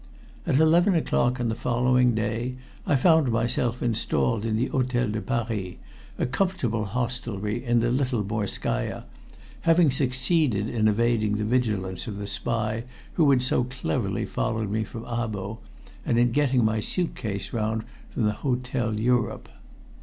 At eleven o'clock on the following day I found myself installed in the Hotel de Paris, a comfortable hostelry in the Little Morskaya, having succeeded in evading the vigilance of the spy who had so cleverly followed me from Abo, and in getting my suit case round from the Hotel Europe.